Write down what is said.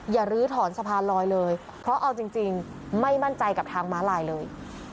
ลื้อถอนสะพานลอยเลยเพราะเอาจริงไม่มั่นใจกับทางม้าลายเลย